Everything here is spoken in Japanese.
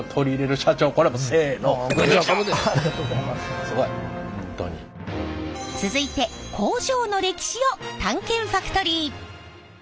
続いて工場の歴史を探検ファクトリー。